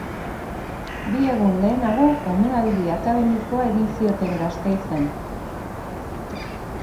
Bi egun lehenago omenaldi akademikoa egin zioten Gasteizen.